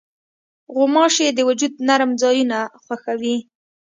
غوماشې د وجود نرم ځایونه خوښوي.